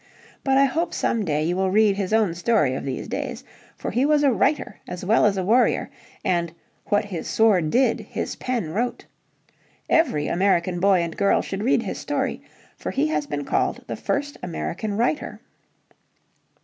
But I hope some day you will read his own story of these days. For he was a writer as well as a warrior, and "what his sword did his pen wrote." Every American boy and girl should read his story, for he has been called the first American writer.